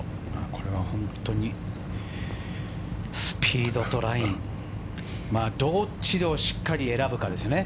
これは本当にスピードとラインどっちをしっかり選ぶかですよね。